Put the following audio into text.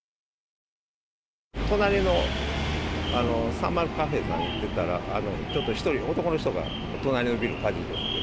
隣のサンマルクカフェさんに行ってたら、ちょっと１人、男の人が隣のビル火事ですって。